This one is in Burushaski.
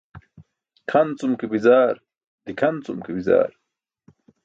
Kʰan cum ke bi̇zaar, dikʰan cum ke bi̇zaar.